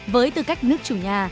với tư cách nước chủ nhà